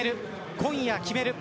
今夜、決める。